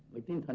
với tinh thần